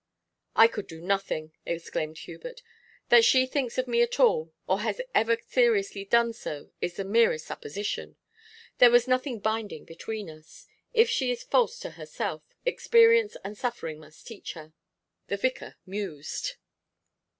'I could do nothing,' exclaimed Hubert. 'That she thinks of me at all, or has ever seriously done so, is the merest supposition. There was nothing binding between us. If she is false to herself, experience and suffering must teach her.' The vicar mused.